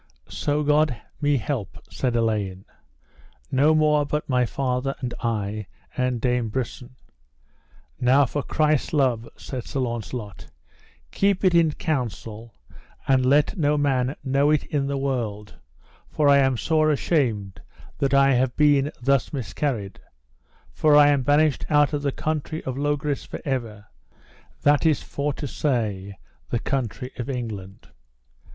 So God me help, said Elaine, no more but my father, and I, and Dame Brisen. Now for Christ's love, said Sir Launcelot, keep it in counsel, and let no man know it in the world, for I am sore ashamed that I have been thus miscarried; for I am banished out of the country of Logris for ever, that is for to say the country of England.